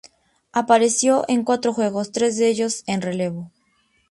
Apareció en cuatro juegos, tres de ellos en relevo.